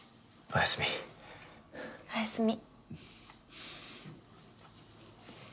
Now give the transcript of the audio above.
おやすみ。